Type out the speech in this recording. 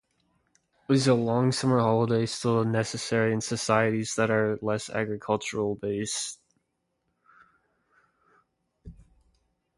Is a long summer holiday still necessary in societies that are less agricultural based?